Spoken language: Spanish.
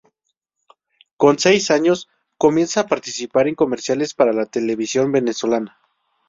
Con seis años, comienza a participar en comerciales para la televisión venezolana.